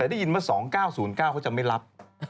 ได้ยินมา๒๙๐๙เขาจะไม่รับ